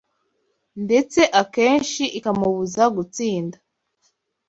ndetse akenshi ikamubuza gutsinda.